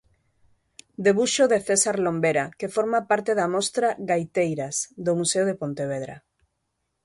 Debuxo de César Lombera que forma parte da mostra "Gaiteiras", do Museo de Pontevedra.